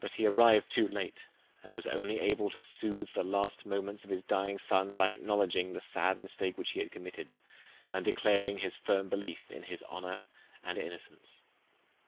But he arrived too late, and was only able to soothe the last moments of his dying son by acknowledging the sad mistake which he had committed, and declaring his firm belief in his honour and innocence.